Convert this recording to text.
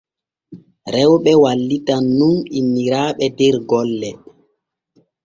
Rewɓe wallitan nun inniraaɓe der golleeji.